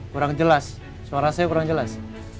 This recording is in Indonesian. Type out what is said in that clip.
kurang jelas suara saya kurang jelas